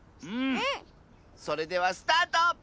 それではスタート！